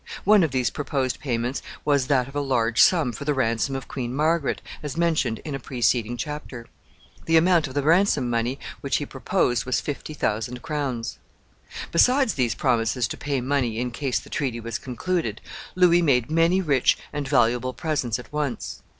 One of these proposed payments was that of a large sum for the ransom of Queen Margaret, as mentioned in a preceding chapter. The amount of the ransom money which he proposed was fifty thousand crowns. Besides these promises to pay money in case the treaty was concluded, Louis made many rich and valuable presents at once.